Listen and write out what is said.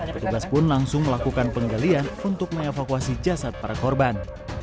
petugas pun langsung melakukan penggalian untuk mengevakuasi jasad para korban